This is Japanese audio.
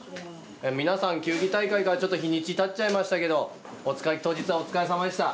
皆さん球技大会からちょっと日にちたっちゃいましたけどお疲れさまでした。